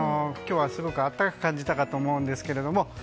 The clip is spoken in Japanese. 今日は暖かく感じたかと思うんですけど。